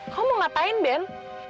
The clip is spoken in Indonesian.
kau mau ngapain ben